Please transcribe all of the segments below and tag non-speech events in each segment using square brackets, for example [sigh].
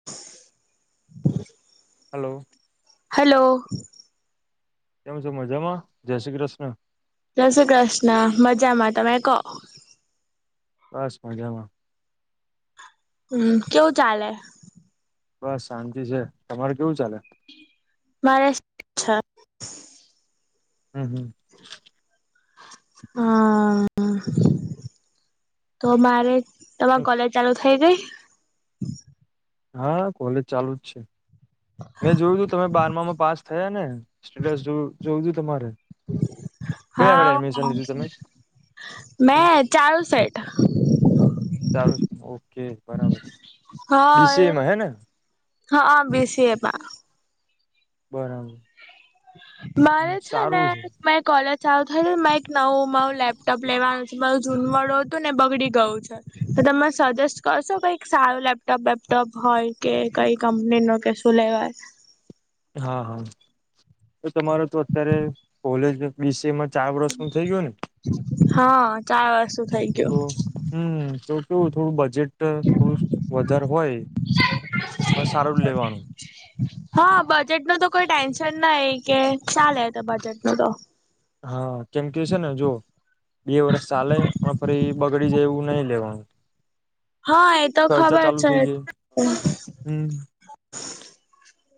[inaudible] Hello hello તેમ છો મજામાં જય શ્રી કૃષ્ણ જ શું કૃષ્ણ મજામાં તમે કહો પાસ પા જમાં હમ કેવું ચાલે બસ શાંતિ છે તમારે કેવું ચાલે બારસ છ હમ હમ હા તો મારે તમાર હમ કોલેજ ચાલુ થઈ ગઈ હા કોલેજ ચાલુ જ છે મેં જોયું તું તમે બારમામાં પાસ થયા ને સ્ટેટસ જોયું તું તમારે કઈ આગળ હા [unintelligible] એડમિશન લીધું તમે હમ મેં ચારું સેટ ચાલું ઓકે બરાબર બી શી હા એ માં હે ને હા બેસીએ પા બરાબર હમ, મારે છે ને સારું મે કોલેજ ચાલુ થાયને મારે એક નવું માવું લેપટોપ લેવાનું છે મારું જૂનું વાળુ હતું ને બગડી ગયું છે તો તમે સજેસ્ટ કરશો કઈ સારું લેપટોપ વેપટોપ હોય કે કઈ કંપની ન કે તલેવા હા હા તો તમારો તો અત્યારે કોલેજ વિસેમાં ચા વરસ નું થઈ ગયું ને હા ચાર વર્ષ થઈ ગયું તો હમ તો કેવું થોડું બજેટ થોડું વધારે હોય તો સારું જ લેવાનું હા બજેટ નું તો કોઈ ટેન્શન ના કે ચાલેે તો બજેટ નું તો હા કેમ કે છે ને જો બે વરષ ચાલે અને ફરી બગડી જાય એવું નહી લેવાનું હા એ તો ખર્ચા ખબર ચાલુ છે થઈ જાય હમ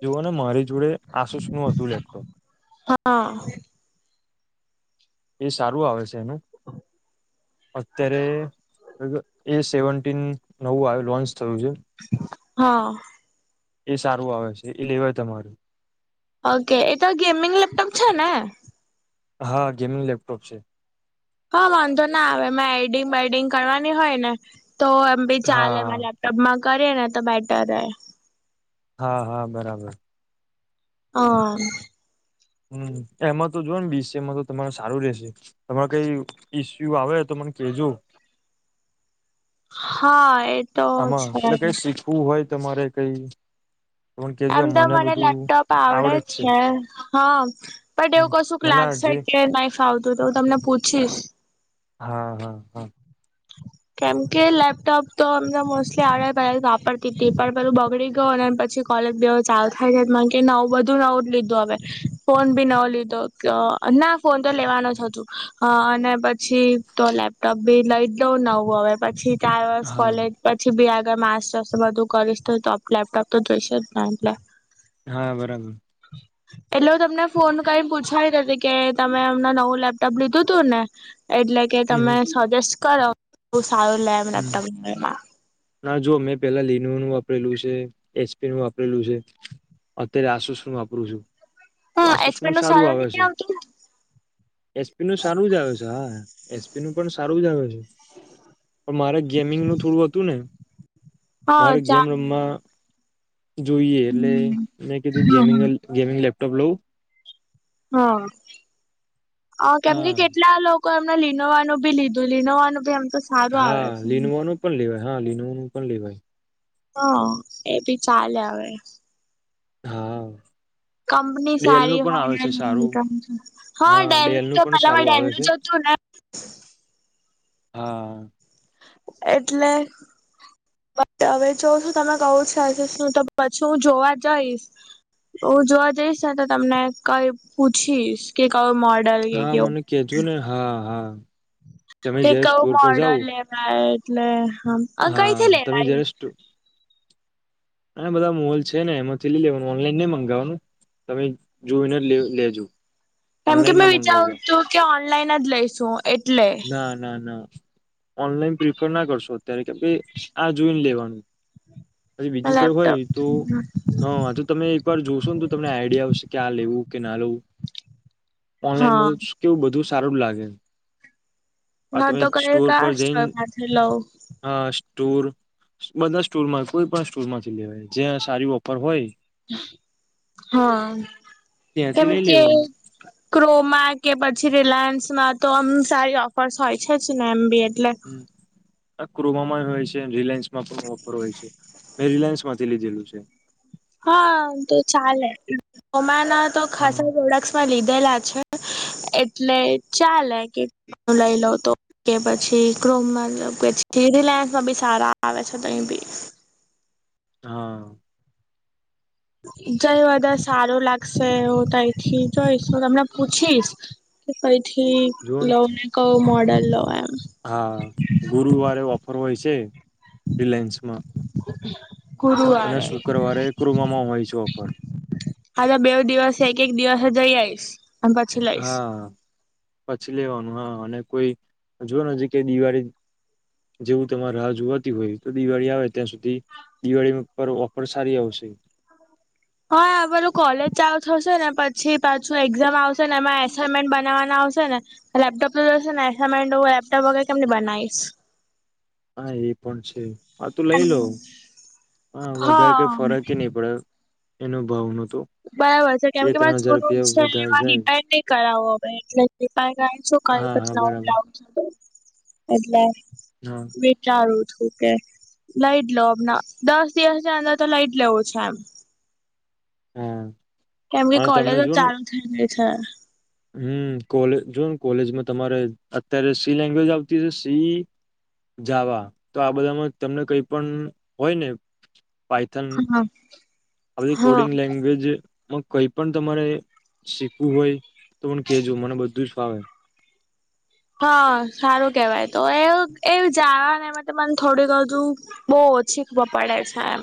એવો ને મારી જોડે આસુસ નું હતું લેપટોપ હા એ સારું આવે છે એનું અત્યારે એ સેવન નવું આવ લોન્ચ થયું છે હા એ સારું આવે છે એ લેવાય તમારું ઓકે એ તો ગેમિંગ લેપટોપ છે ને હા ગેમિંગ લેપટોપ છે હા વાંધો ના આવે મે એડિંગ બેેડિંગ કરવાની હોય ને તો એમ બી ચાલે હા મને ટબ્મા કરીએ ને તો બેટર રહે હા હા બરાબર અ હમ એમાં તો જો ને બીસ છે એમાં તો તમાર સારું રશે તમારે કઈ ઈસ્યુ આવે તો મને કેજો હા એતો છે તું હોય તો મારે કઈ પણ કેજો આમ તો મને બધું લેપટોપ આવડે છે હા બટ હમ એવું કશું ના ના લાગશે જે કે નહી ફાવતું તો હું તમને પૂછીશ હા હા હા કેમ કે લેપટોપ તો અમને મોસ્ટલી આવડતા પેંલા વાપરતી હતી પણ પેલું બગડી ગયો ને પછી કોલેજ બવ ચાલુ થાય નવું બધું નવ જ લીધું હવે ફોન ભી નવો લીધો તો ના ફોન તો લેવાનો જ હતું હ અને પછી તો લેપટોપ બી લઈ જ લઉં ના હવે પછી ચાર વર્ષ હા કોલેજ પછી બી આગળ માસ્ટર્સ બધું કરીશ તો તો લેપટોપ તો જોઈશે જ ને એટલે હા બરાબર એટલે હ તમને ફોન કરીને પૂછાયી હતી કે તમે એમને નવું લેપટોપ લીધું તું ને એટલે કે હમ તમે હમ સજેસ્ટ કરો બ સારું લેમ હમ લેપપમાં ના જો મેં પેલા લીનો નું વાપરેલું છે એસપી નું વાપરેલું છે અત્યારે આસૂસણું વાપરું છું તો હા એચપે આસૂસણું નું સારું આવે નહી છે આવતું એસપી નું સારું જ આવે છે હા એસપી નું પણ સારું જ આવે છે પણ મારે ગેમિંગનું થોડું હતું ને હા મારે ગેમ ચાર રમમાં મહિને જોઈએ એટલે મેં કીધું ગેમંગ હમ ગેમિંગ લેપટોપ લઉં હા કેમ કે કેટલા લોકો એમને લીનોવાનું ભી લીધું લીનોવાનું ભી એમ તો સારું આવે હા છે લીનોવાનું પણ લેવાય હા લીનું પણ લેવાય હા એ ભી ચાલે હવે હા કંપની સારી ડેલનું પણ આવે છે હોય સારું હા ડેલનું તો પણ પેલામાં સારું આવે ડેલનું છે જ હતું ને હા એટલે હવે જો શું તમે કઉ છ હું તો પછી હું જોવા જઈશ હ જોવા જઈશ ને તો તમને કઈ પૂછીશ કે કયો મળે હા મને કેજો ને હા હા તમે એ જયારે કવું સ્ટોર પર મોડર જાવ લેવાય એટલે હ હા કઈથી તમે લેવાય જયારે બધા મોલ છે ને એમાંથી લઈ લેવાનું ઓનલાઈન ન મગાવવાનું તમે જોઓને લેજો કેમ કે ઓનલાઈન ના મેં વિચારું મંગાવતા તું કે ઓનલાઈન જ લઈસું એટલે ના ના ના ઓનલાઈન પ્રિફર ના કરશો અત્યારે કે ભાઈ આ જોઈને લેવાનું પછી બીજું કઈ હોય લેપટોપ તો હા તો તમે એક વાર જોશો ને તો તમને આઈડિયા આવશે કે આ લેવું કે ના લેવું ઓનલાઈન હા તો કેવું બધું સારું જ લાગે આ હા તમે તો ક સ્ટોર પર કતોય જઈને માછર લવું હા સૂર [unintelligible] બધા સ્ટોરમાં કોઈ પણ સ્ટોર માંથી લેવાય જ્યાં સારી ઓફર હોય હા ત્યાંથી કેમ લઈ કે લેવાનું ક્રોમા કે પછી રિલાયન્સમાં તો આમ સારી ઓફર્સ હોય છે જ ને એમ બી એટલે હમ, આ ક્રોમામાં હોય છે રિલાયન્સ માં પણ ઓફર હોય છે મેં રિલાયન્સ માંથી લીધેલું છે હા તો ચાલે હ રમાના તો હા ખાસા પ્રોડક્ટ લીધેલા છે એટલે ચાલે કેટું લઈ લઉ તો કે પછી ક્રોમબ કેછી રિલાયન્સમાં બી સારા આવે છે તહી બી હા જઈ બધા સારું લાગશે હું ત એથી જોઈશ હું તમને પૂછીશ કે કઈથી લોવ ને કયો મોડલ લો એમ હા ગુરુવારે ઓફર હોય છે રિલાયન્સમાં [inaudible] અને ગુરુવારે શુક્રવારે ક્રોમામાં હોય છે ઓફર હજુ બે દિવસ એક એક દિવસે જઈ આવીશ અને પછી લઈશ હા પછી લેવાનું હા અને કોઈ જોઓ નજીક કે દિવાળી જેવું તમારે રાહ જોવાતી હોય તો દિવાળી આવે ત્યાં સુધી દિવાળી પર ઓફર સારી આવશે હા આ પેલું કોલેજ ચાલ થ હશે ને પછી પાછું એક્ઝામ આવશે ને એમાં એસાઈનમેન્ટ બનાવવાના આવશે ને લેપટોપ તો જોશે ને એમેન્ડું લેપટોપ વગેર કેમ બનાવીશ હા એ પણ છે હા તો લઈ લો હા વધારે કઈ ફરકે નહી પડે એનો ભાવનો બરાબર છે. કેમ કે એમાં જૂનું છે. વધારે એમાં જાય રીપેયર નહી કરાવવો હ એટલે રીપેયર કરાયને સુ કરી હા હા પછી નવું જ બરાબર લાવું છે તો એટલે હા વિચારું છું કે લઈજ લઉં હમણાં દસ દિવસની અંદર તો લઈજ લેવું છે એમ હા કેમ કે અને કોલેજો ચાલુ થઈ ગઈ છે. હમ્મ કોલે જોને કોલેજમાં તમારે અત્યારે સી લેંગ્વેજ આવતી છે. સી ઈ જાવા તો આ બધામાં તમને કઈ પણ હોય ને હા અ હા કોડિંગ લેગ લેંગ્વેજ મા કઈ પણ તમારે શીખવું હોય તો મન કેજો મને બધું જ ફાવે હા સારું કેવાય તો એ એવુ જાણવા ને એમાંતો મને થોડુંક બધુ બહુ ઓછી ખબર પડે છે એમ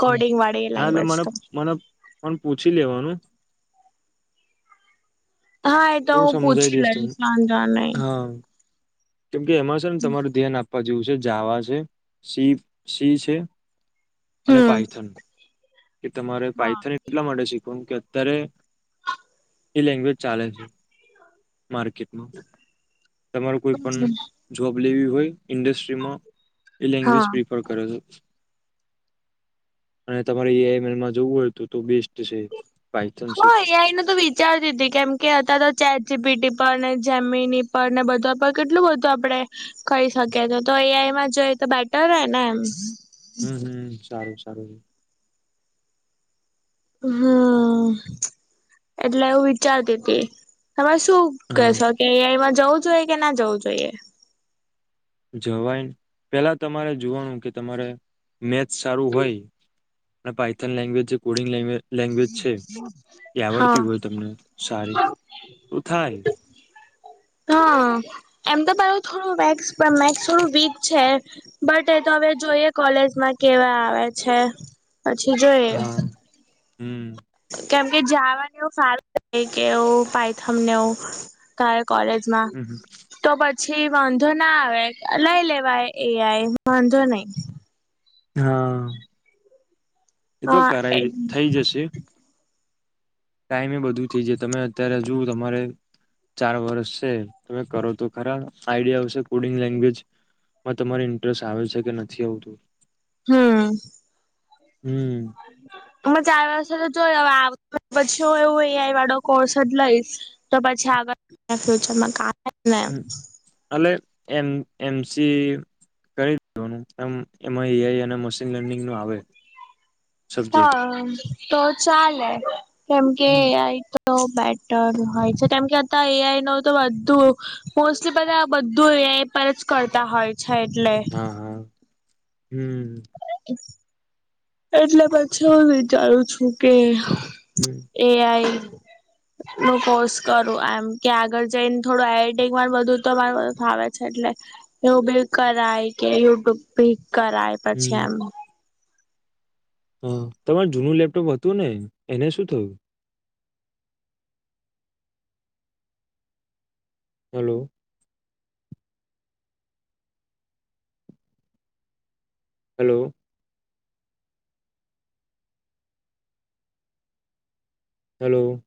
કોડિંગ વાળી લેંગ્વેજ તો પણ પૂછી લેવાનું હા એ તો હું સમજાઈ પૂછી દઈશ તમને લઈશ વાંધો નહીં હા કેમ કે એમાં છે. ને તમારું ધ્યાન આપવા જેવું છે. જાવા છે. સી સી છે. અને હમ પાઈથન કે તમારે હા પાઇથન એટલા માટે શીખવાનું કે અત્યારે એ લેંગ્વેજ ચાલે છે. માર્કેટમાં તમારું કોઈ પણ જોબ લેવી હોય ઇન્ડસ્ટ્રીમાં એ લેંગ્વેજ હા પ્ર.. કર અને તમારે એ આઈ મેલમાં જોવું હોય તો તો બેસ્ટ છે પાાયથન શીખવું ચાલતીધી કેમ કે અ હતા તો ચેટ જી પીટી પર ને જમીની પર ને બધા પર કેટલું બધું આપણે. કરી શકી તો તો એઆઈમાં જોઈ તો બેટર હ ને એમ હમ્મ હમ્મ સારું સારું હમ્મ એટલે એવું વિચારતી હતી તમારે શું હા કશો કે એ આઈ મા જવું જોઈએ કે ના જવું જોઈએ જવાય પેલા તમારે જોવાનું કે તમારે મેચ સારું હોય અને પઇથન લેંગ્વેજ છે. કોડિગ લેંગ્વેજ લેંગ્વેજ છે. એ હા આવડતી હોય તમને સારી તો થાય [inaudible] હ એમતો પેલું થોડુંક્ વેક્સ મેક્સ થોડું વીક છે. બટ એ તો હવે જોઈએ કોલેજમાં કેવા આવે છે. પછી જોયે હા હમ્મ કેમ કે જવાની એવું ફાવે નહીં કે એવું પઇથમને એવું કા કોલેજ હમ [unintelligible] તો પછી વાંધો ના આવે લઈ લેવાય એઆઈ વાંધો નહી હા એતો હા એ કરાય થઈ જશે ટાઈમ એ બધું થ જશે તમે અત્યારે જો તમારે ચાર વર્ષ છે. તમે કરો તો ખરા આઈડિયા આવશે કોડિંગ લેંગ્વેજમાં તમારે ઇન્ટરેસ્ટ આવે છે. કે નથી આવતું હમ્મ હમ્મ હ ચાર વર્ષ તો જો પછી હ એવું એઆઈ વાળો કોર્સ જ લઈશ તો પછી આગળ ફ્યુચરમાં કામ આવાને હલે એમ એમસી કરી દવાનું એ એમાં એ આઈ અને મશીન લર્નિંગ નું આવે સબ્જેક્ટ હા તો ચાલે કેમ કે હમ તો બેટર હોય છે કેમ કે આ એઆઈ ન તો બધું મોસ્ટલી પ બધું એઆઈ પર જ કરતા હોય છે એટલે હા હા હમ [inaudible] એટલે પછી હું વિચારું છું કે હમ એઆઈ નું કોર્સ કરું એમ કે આગળ જઈને થોડું આક માર બધું તો મારુંાવ છે એટલે એવું બી કરાય કે યુટ્યુબ ભી કરાય પછી હમ એમ હ તમાર જૂનું લેપટોપ હતું ને એને શું થયું હલો હલો હલો